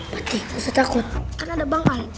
pati gak usah takut kan ada bangkal